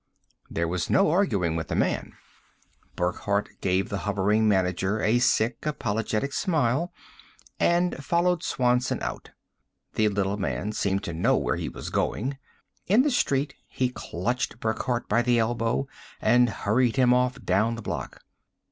There was no arguing with the man. Burckhardt gave the hovering manager a sick, apologetic smile and followed Swanson out. The little man seemed to know where he was going. In the street, he clutched Burckhardt by the elbow and hurried him off down the block.